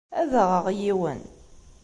Ad aɣeɣ yiwen.